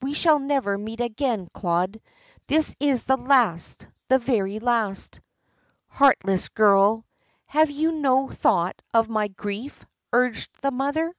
We shall never meet again, Claude. This is the last the very last." "Heartless girl. Have you no thought of my grief?" urged the mother.